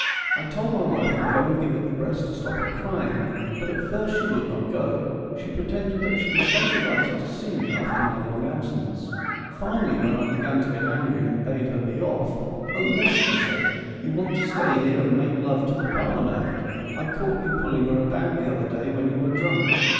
I told my wife to go and give it the breast to stop it crying, but at first she would not go : she pretended that she was so delighted to see me after my long absence. Finally, when I began to get angry and bade her be off, ' Oh, yes,' she said, ' you want to stay here and make love to the parlourmaid ; I caught you pulling her about the other day when you were drunk.'